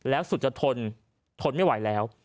แล้วสุจทนทนไม่ไหวแล้ว